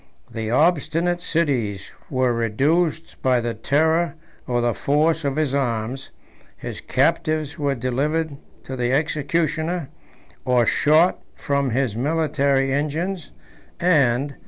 The obstinate cities were reduced by the terror or the force of his arms: his captives were delivered to the executioner, or shot from his military engines; and.